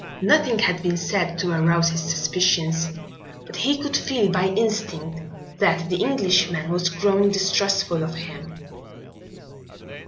Nothing had been said to arouse his suspicions but he could feel by instinct that the Englishman was growing distrustful of him.